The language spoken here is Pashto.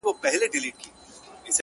که ما غواړی درسره به یم یارانو-